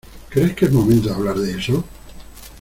¿ crees que es momento de hablar de eso?